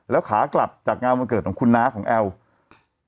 แล้วขากลับจากงานวันเกิดของคุณน้าของแอล